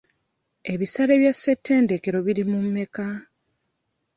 Ebisale bya ssetendekero biri mu meka?